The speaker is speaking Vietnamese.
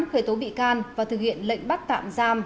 khởi tố bị can và thực hiện lệnh bắt tạm giam